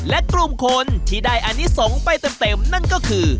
และกลุ่มคนที่ได้อนิสงฆ์ไปเต็มนั่นก็คือ